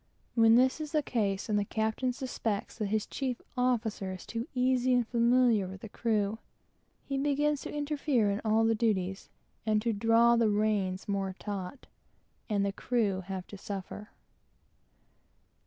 When this is the case, and the captain suspects that his officer is too easy and familiar with the crew, then he begins to interfere in all the duties, and to draw the reins tauter, and the crew have to suffer.